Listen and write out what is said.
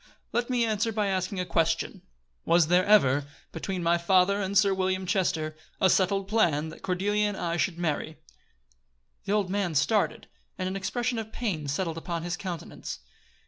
"Let me answer by asking a question: Was there ever, between my father and Sir William Chester, a settled plan that Cordelia and I should marry?" The old man started, and an expression of pain settled upon his countenance.